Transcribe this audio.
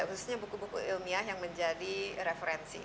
khususnya buku buku ilmiah yang menjadi referensi